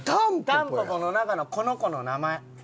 タンポポの中のこの子の名前。